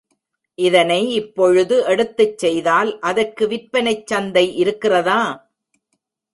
இதனை இப்பொழுது எடுத்துச் செய்தால் அதற்கு விற்பனைச் சந்தை இருக்கிறதா?